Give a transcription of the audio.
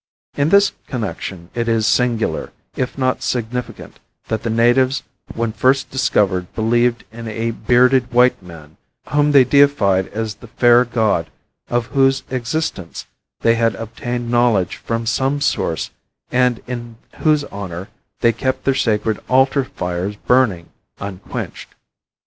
In this connection it is singular, if not significant, that the natives when first discovered believed in a bearded white man whom they deified as the Fair God of whose existence they had obtained knowledge from some source and in whose honor they kept their sacred altar fires burning unquenched.